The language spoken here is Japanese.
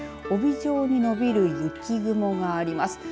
帯状に伸びる雪雲があります。